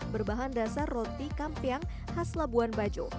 berbahan dasar roti kampiang khas labuan bajo